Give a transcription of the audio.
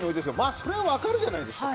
あそれは分かるじゃないですか